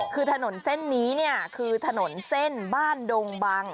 คือถนนเส้นนี้คือถนนเซ่นบ้านโด่งบัง